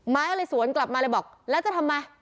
ก็เลยสวนกลับมาเลยบอกแล้วจะทำไม